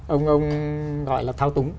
ông gọi là thao túng